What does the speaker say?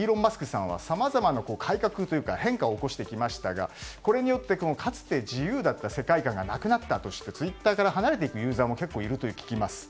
さんはさまざまな改革というか変化を起こしてきましたがこれによってかつて自由だった世界観がなくなったとしてツイッターから離れていくユーザーもいると聞きます。